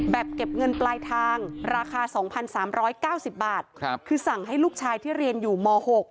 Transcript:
เก็บเงินปลายทางราคา๒๓๙๐บาทคือสั่งให้ลูกชายที่เรียนอยู่ม๖